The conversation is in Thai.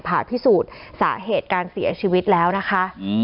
ผ่าพิสูจน์สาเหตุการเสียชีวิตแล้วนะคะ